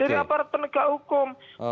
dari aparten keukuman